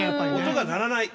音が鳴らない。